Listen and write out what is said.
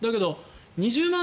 ２０万